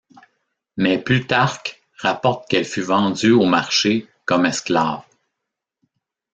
Mais Plutarque rapporte qu'elle fut vendue au marché comme esclave.